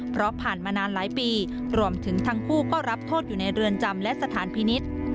เพราะผ่านมานานหลายปีรวมถึงทั้งคู่ก็รับโทษอยู่ในเรือนจำและสถานพินิษฐ์